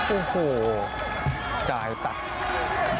โอ้โหวตายต่าง